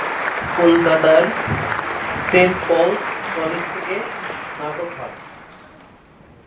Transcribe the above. কলকাতার Saint Paul's College থেকে স্নাতক হন।